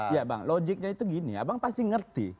ya bang logiknya itu gini ya bang pasti mengerti